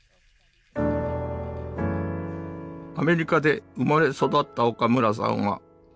アメリカで生まれ育った岡村さんは当時１５歳。